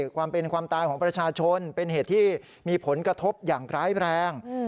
ความเป็นความตายของประชาชนเป็นเหตุที่มีผลกระทบอย่างร้ายแรง